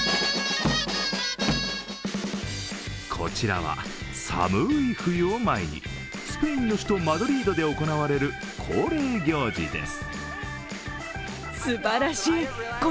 こちらは、寒い冬を前にスペインの首都マドリードで行われる恒例行事です。